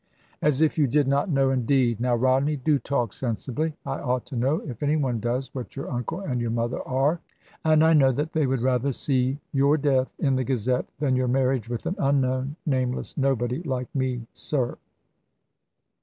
"As if you did not know indeed! Now, Rodney, do talk sensibly. I ought to know, if any one does, what your uncle and your mother are. And I know that they would rather see your death in the Gazette than your marriage with an unknown, nameless nobody like me, sir."